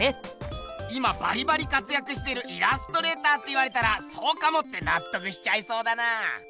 今バリバリかつやくしてるイラストレーターって言われたら「そうかも」ってなっとくしちゃいそうだな。